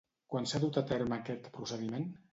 Quan s'ha dut a terme aquest procediment?